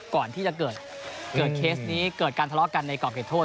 ก่อนที่จะเกิดเคสนี้เกิดการทะเลาะกันในกรอบเขตโทษ